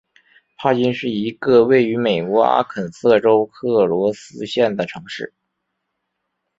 帕金是一个位于美国阿肯色州克罗斯县的城市。